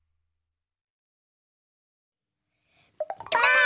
ばあっ！